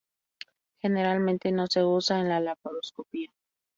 Generalmente no se usa con laparoscopia.